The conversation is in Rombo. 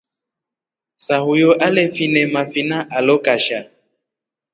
Sahuyo alefine mafina alo kashaa.